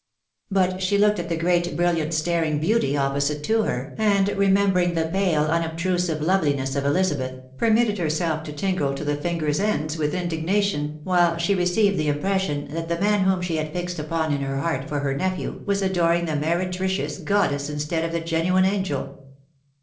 But she looked at the great brilliant staring beauty opposite to her, and remembering the pale unobtrusive loveUness of Ehzabeth, permitted herself to tingle to the fingers' ends with indignation, while she received the impression that the man whom she had fixed upon in her heart for her nephew, was adoring the meretricious goddess instead of the genuine angel.